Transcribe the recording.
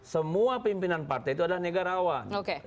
semua pimpinan partai itu adalah negarawan